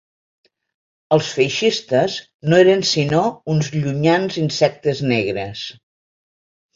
Els feixistes no eren sinó uns llunyans insectes negres